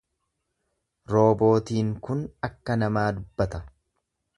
Roobootiin kun akka namaa dubbata.